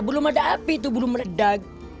belum ada api itu belum reda